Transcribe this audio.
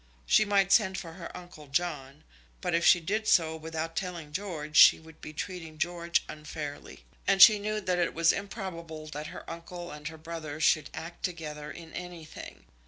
She might send for her uncle John; but if she did so without telling George she would be treating George unfairly; and she knew that it was improbable that her uncle and her brother should act together in anything.